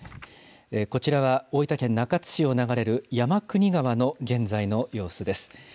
こちらは大分県中津市を流れる山国川の現在の様子です。